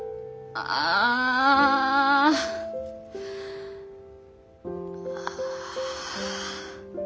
ああ。